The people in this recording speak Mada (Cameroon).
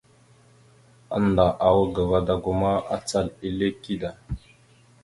Annda awak ga vadago ma, acal ille kida.